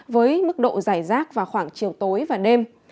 với mức độ dài rác vào khoảng chiều tối và đêm